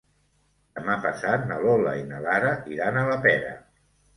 Demà passat na Lola i na Lara iran a la Pera.